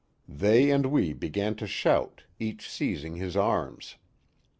They and we began to shout, each seizing his arms.